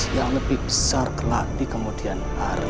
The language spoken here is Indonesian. yang lebih besar kelak di kemudian hari